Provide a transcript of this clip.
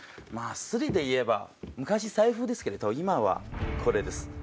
スリでいえば昔財布ですけれど今はこれです。